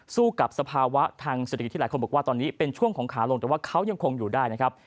สู้กับสภาวะทางเศรษฐกิจที่หลายคนบอกว่าตอนนี้เป็นช่วงของขาลงแต่ว่าเขายังคงอยู่ได้นะครับ